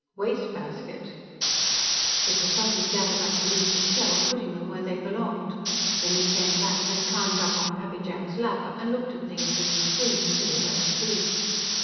"Wastebasket." Little Fuzzy gathered up the bits of shell, putting them where they belonged. Then he came back and climbed up on Pappy Jack's lap, and looked at things in the screen until he fell asleep.